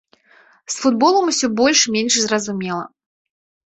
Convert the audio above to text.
З футболам усё больш-менш зразумела.